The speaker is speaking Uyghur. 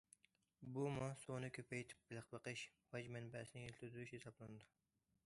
بۇمۇ« سۇنى كۆپەيتىپ بېلىق بېقىش»، باج مەنبەسىنى يېتىلدۈرۈش ھېسابلىنىدۇ.